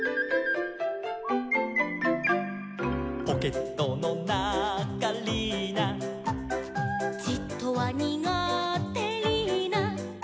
「ポケットのなかリーナ」「じっとはにがてリーナ」